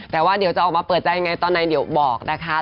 แต่ว่าเดี๋ยวจะออกมาเปิดใจยังไงตอนไหนเดี๋ยวบอกนะคะ